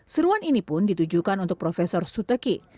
seruan ini pun ditujukan untuk profesor suteki